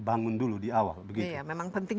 bangun dulu di awal memang penting